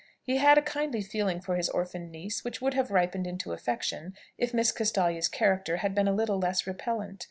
He had a kindly feeling for his orphan niece, which would have ripened into affection if Miss Castalia's character had been a little less repellent.